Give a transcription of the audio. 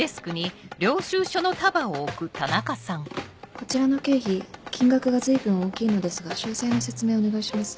こちらの経費金額が随分大きいのですが詳細の説明をお願いします。